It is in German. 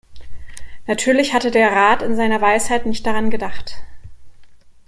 Natürlich hatte der Rat in seiner Weisheit nicht daran gedacht.